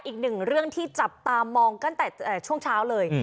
อีกหนึ่งเรื่องที่จับตามองตั้งแต่ช่วงเช้าเลย